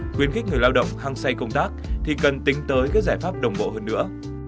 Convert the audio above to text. khuyến khích người lao động hăng say công tác thì cần tính tới các giải pháp đồng bộ hơn nữa